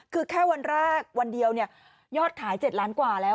คือแค่วันแรกวันเดียวเนี่ยยอดขาย๗ล้านกว่าแล้ว